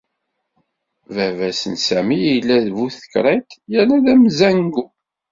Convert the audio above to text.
Baba-s n Sami yella d bu tekriṭ yerna d amezzangu.